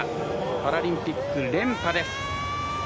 パラリンピック連覇です。